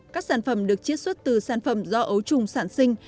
các sản phẩm được chiết xuất từ sản phẩm do ấu trùng sản sinh